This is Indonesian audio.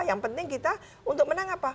yang penting kita untuk menang apa